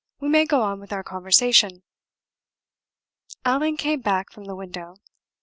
We may go on with our conversation." Allan came back from the window.